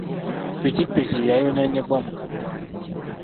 Ppikipiki ye yayonoonebwa mu kabenje.